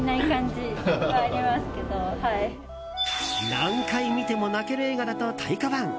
何回見ても泣ける映画だと太鼓判。